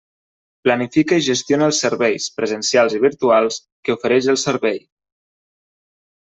Planifica i gestiona els serveis, presencials i virtuals, que ofereix el Servei.